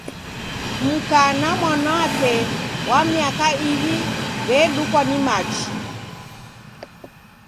Mka na mwanape wa miaka iw'i w'edukwa ni machi.